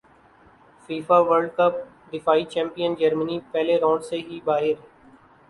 FIFA World Cup دفاعی champion جرمنی پہلے رانڈ سے ہی باہر